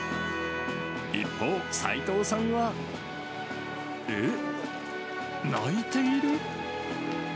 一方、齋藤さんは。えっ？泣いている？